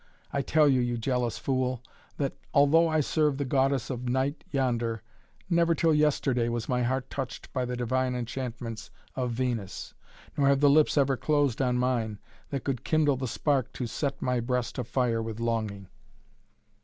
I tell you, you jealous fool, that, although I serve the goddess of night yonder, never till yesterday was my heart touched by the divine enchantments of Venus, nor have the lips ever closed on mine, that could kindle the spark to set my breast afire with longing."